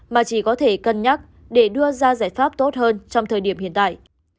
mà chỉ có thể cân nhắc để đưa ra giải pháp tốt hơn trong thời điểm hiện tại